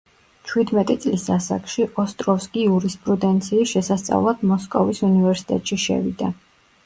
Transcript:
ჩვიდმეტი წლის ასაკში, ოსტროვსკი იურისპუდენციის შესასწავლად მოსკოვის უნივერსიტეტში შევიდა.